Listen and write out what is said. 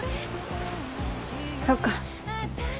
そっか。